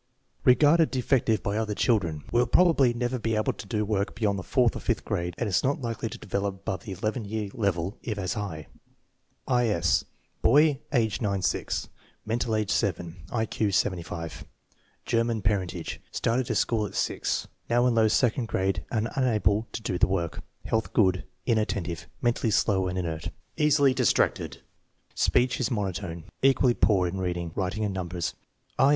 Regarded defective by other children. Will prob ably never be able to do work beyond the fourth or fifth grade and is noL likely to develop above the 11 year level, if as higu. Fro. 8. DRAWING DESIGNS FROM MEMORY. H. S., AGE 11; MENTAL AGE 8 3 /. S, /to,?/, age 0 6; mental age 7; I Q 75. German parentage. Started to school at G. Now in low second grade and unable to do the work. Health good. Inattentive, mentally slow and inert, easily distracted, speech is monotone. Equally poor in reading, writing, and numbers. I.